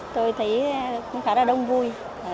tôi thấy cũng khá là đông vui